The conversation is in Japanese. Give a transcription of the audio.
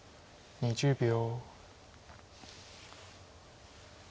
２０秒。